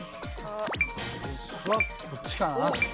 僕はこっちかな？